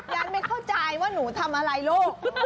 ยายไม่เข้าใจว่าหนูทำอะไรลูก